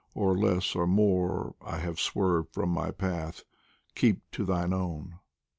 Or less or more I have swerved from my path keep thou to thine own !